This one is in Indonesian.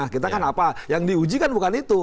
kita kan apa yang diujikan bukan itu